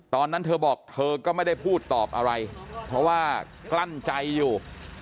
ตอนนั้นเธอบอกเธอก็ไม่ได้พูดตอบอะไรเพราะว่ากลั้นใจอยู่